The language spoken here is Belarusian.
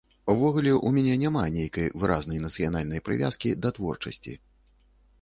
Увогуле, у мяне няма нейкай выразнай нацыянальнай прывязкі да творчасці.